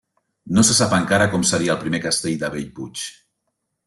No se sap encara com seria el primer castell de Bellpuig.